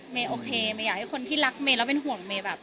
โอเคเมย์อยากให้คนที่รักเมย์แล้วเป็นห่วงเมย์แบบ